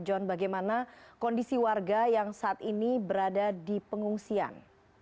john bagaimana kondisi warga yang saat ini berada di pengungsian